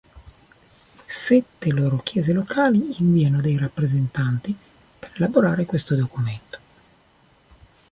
Sette loro chiese locali inviano dei rappresentanti per elaborare questo documento.